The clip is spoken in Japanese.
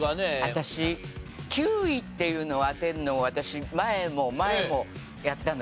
私９位っていうのを当てるのを私前も前もやったのよ。